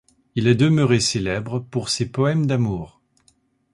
Il est demeuré célèbre pour ses poèmes d'amour.